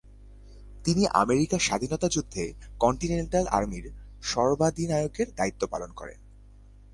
তিনি আমেরিকার স্বাধীনতা যুদ্ধ-এ কন্টিনেন্টাল আর্মির সর্বাধিনায়কের দায়িত্ব পালন করেন।